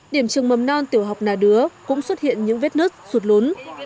điểm trường mầm non tiểu học nà đứa cũng xuất hiện những vết nứt sụt lốn